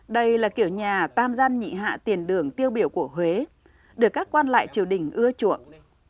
đây là kiểu nhà tam gian nhị hạ tiền đường tiêu biểu của huế được các quan lại triều đình ưa chuộng